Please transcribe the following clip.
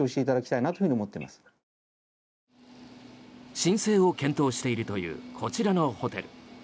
申請を検討しているというこちらのホテル。